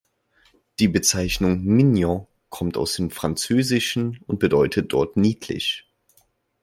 Die Bezeichnung "Mignon" kommt aus dem Französischen und bedeutet dort „niedlich“.